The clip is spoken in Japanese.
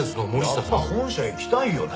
やっぱ本社行きたいよね。